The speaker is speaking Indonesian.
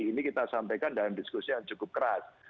ini kita sampaikan dalam diskusi yang cukup keras